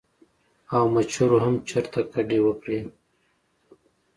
او مچرو هم چرته کډې وکړې ـ